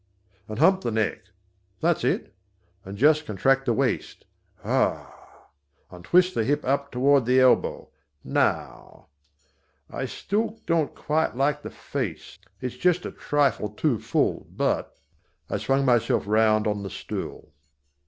And hump the neck that's it and just contract the waist ha! and twist the hip up toward the elbow now! I still don't quite like the face, it's just a trifle too full, but " I swung myself round on the stool.